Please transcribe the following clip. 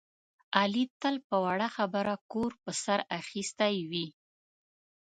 علي تل په وړه خبره کور په سر اخیستی وي.